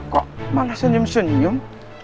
kok malah senyum senyum